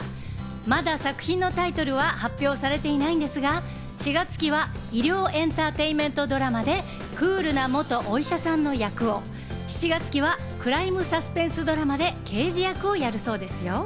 まだ作品のタイトルは発表されていないんですが、４月期は医療エンターテインメントドラマで、クールな元お医者さんの役を、７月期はクライムサスペンスドラマで、刑事役をやるそうですよ。